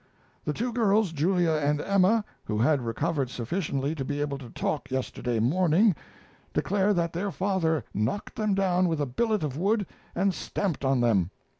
The two girls Julia and Emma, who had recovered sufficiently to be able to talk yesterday morning, declare that their father knocked them down with a billet of wood and stamped on them.